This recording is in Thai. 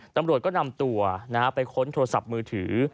ตำรวจก็นำตัวไปค้นโทรศัพท์มือถือ